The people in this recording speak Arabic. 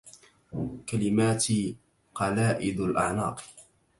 كلماتي قلائد الأعناق